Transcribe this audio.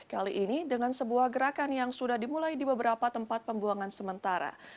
kali ini dengan sebuah gerakan yang sudah dimulai di beberapa tempat pembuangan sementara